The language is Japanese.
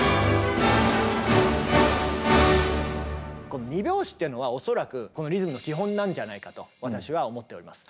この２拍子っていうのは恐らくリズムの基本なんじゃないかと私は思っております。